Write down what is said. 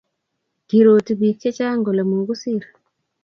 kiiroti biik che chang kole mokusir